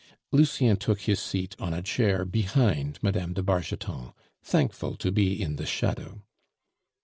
Lucien took his seat on a chair behind Mme. de Bargeton, thankful to be in the shadow.